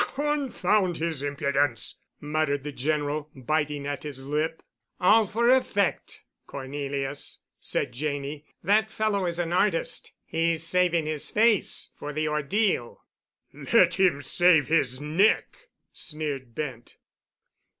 "Confound his impudence!" muttered the General, biting at his lip. "All for effect, Cornelius," said Janney. "That fellow is an artist. He's saving his face for the ordeal." "Let him save his neck," sneered Bent.